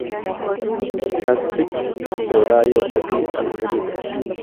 کاستک سوډا یو عادي القلي ده.